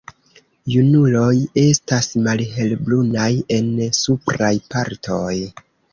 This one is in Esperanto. Junuloj estas malhelbrunaj en supraj partoj.